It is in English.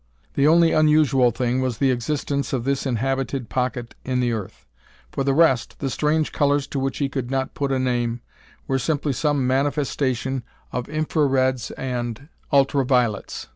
The only unusual thing was the existence of this inhabited pocket in the earth. For the rest, the strange colors to which he could not put a name, were simply some manifestation of infra reds and ultra violets.